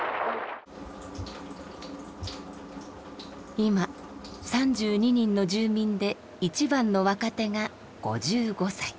今３２人の住民で一番の若手が５５歳。